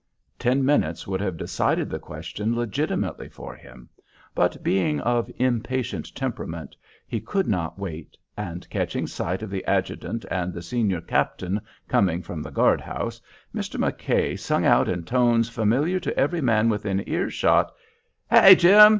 Ten minutes would have decided the question legitimately for him, but, being of impatient temperament, he could not wait, and, catching sight of the adjutant and the senior captain coming from the guard house, Mr. McKay sung out in tones familiar to every man within ear shot, "Hi, Jim!